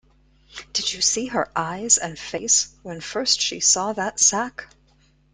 Did you see her eyes and face when first she saw that sack?